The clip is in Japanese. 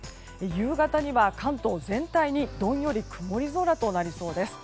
夕方には、関東全体にどんより曇り空となりそうです。